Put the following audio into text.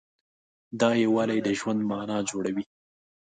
دا یووالی د ژوند معنی جوړوي.